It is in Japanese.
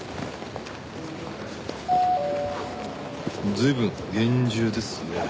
随分厳重ですね。